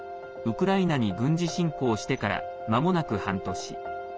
ウクライナに軍事侵攻してからまもなく半年。